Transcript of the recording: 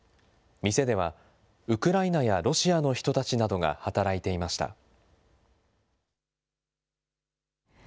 店では、ウクライナやロシアの人たちなどが働いていました。